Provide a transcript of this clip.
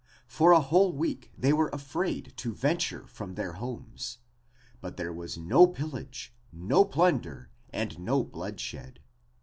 For a whole week they were afraid to venture from their homes. But there was no pillage, no plunder and no bloodshed.